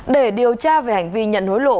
để điều tra về hành vi nhận hối lộ